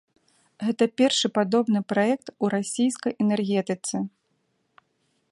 Гэта першы падобны праект у расійскай энергетыцы.